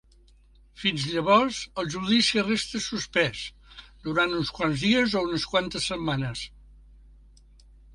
Fins llavors, el judici resta suspès, durant uns quants dies o unes quantes setmanes.